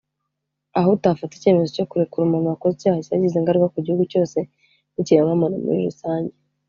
aho utafata icyemezo cyo kurekura umuntu wakoze icyaha cyagize ingaruka ku gihugu cyose n’ikiremwa muntu muri rusange